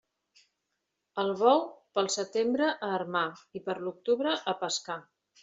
El bou, pel setembre a armar i per l'octubre a pescar.